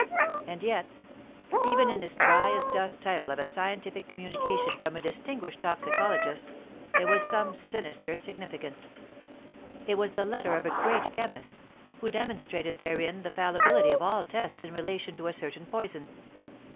And yet, even in this dry as dust title of a scientific communication from a distinguished toxicologist there was some sinister significance. It was the letter of a great chemist, who demonstrated therein the fallibility of all tests in relation to a certain poison.